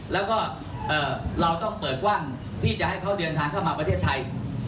แล้วก็เราต้องเปิดกว้างที่จะให้เขาเดินทางเข้ามาประเทศไทย